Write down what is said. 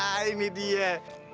ah ini dia